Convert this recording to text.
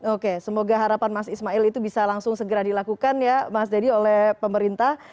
oke semoga harapan mas ismail itu bisa langsung segera dilakukan ya mas deddy oleh pemerintah